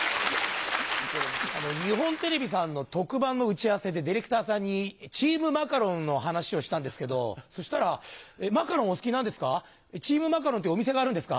日本テレビさんの特番の打ち合わせでディレクターさんに「チームマカロン」の話をしたんですけどそしたら「マカロンお好きなんですか？」「チームマカロンってお店があるんですか？」